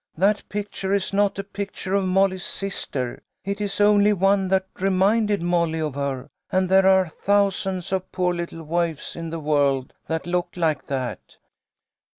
That picture is not a picture of Molly's sister. It is only one that reminded Molly of her, and there are thou sands of poor little waifs in the world that look like that.